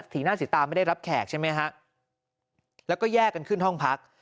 สีหน้าสีตาไม่ได้รับแขกใช่ไหมฮะแล้วก็แยกกันขึ้นห้องพัก